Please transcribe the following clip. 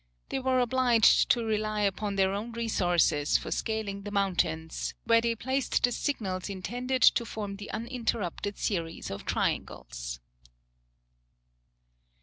They were obliged to rely upon their own resources for scaling the mountains, where they placed the signals intended to form the uninterrupted series of triangles.